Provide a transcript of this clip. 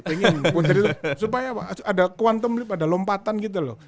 pengen putri supaya ada quantum leap ada lompatan gitu loh